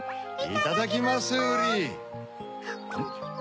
いただきますウリ。